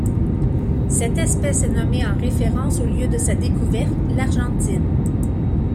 Cette espèce est nommée en référence au lieu de sa découverte, l'Argentine.